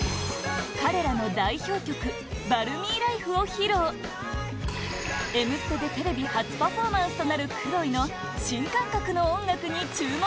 彼らの代表曲「ＢａｌｍｙＬｉｆｅ」を披露「Ｍステ」でテレビ初パフォーマンスとなるＫｒｏｉの新感覚の音楽に注目！